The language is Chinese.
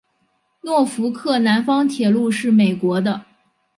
诺福克南方铁路是美国的。